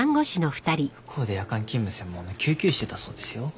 向こうで夜間勤務専門の救急医してたそうですよ。